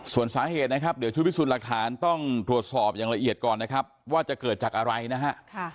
ส่วนสาเหตุนะครับเดี๋ยวชุดพิสูจน์หลักฐานต้องตรวจสอบอย่างละเอียดก่อนนะครับว่าจะเกิดจากอะไรนะฮะ